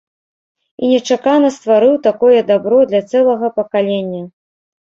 І нечакана стварыў такое дабро для цэлага пакалення.